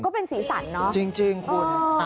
ก็เป็นสีสันเนาะจริงคุณ